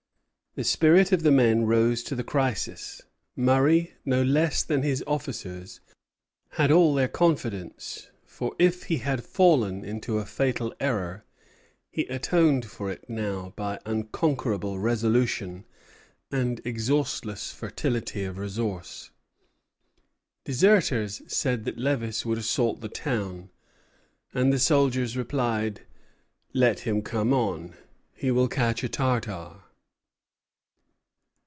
The spirit of the men rose to the crisis. Murray, no less than his officers, had all their confidence; for if he had fallen into a fatal error, he atoned for it now by unconquerable resolution and exhaustless fertility of resource. Deserters said that Lévis would assault the town; and the soldiers replied: "Let him come on; he will catch a Tartar."